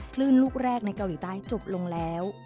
คลื่นลูกแรกในเกาหลีใต้จบลงแล้ว